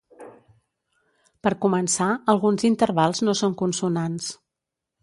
Per començar alguns intervals no són consonants.